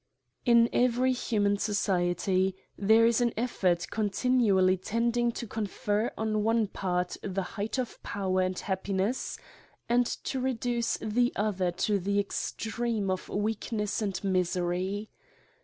IN every humau. society, there is an effort continually tending t<> cuiifcr on one part the height of power and happiness^ and to reduce the other to the extreme of weakness and misery.